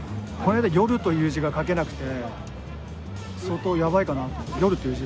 この間夜という字が書けなくて相当やばいかなと。